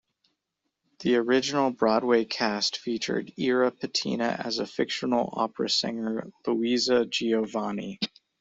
The original Broadway cast featured Irra Petina as a fictional opera singer Louisa Giovanni.